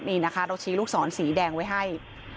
นี่นะคะเราชี้ลูกศรสีแดงไว้ให้